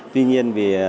tuy nhiên vì